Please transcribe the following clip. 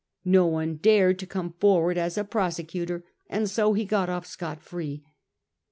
No one dared to come forward as a prosecutor, and so he got off scot free.